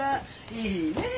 いいねえ。